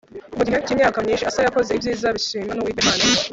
Mu gihe cyimyaka myinshi Asa yakoze ibyiza bishimwa nUwiteka Imana ye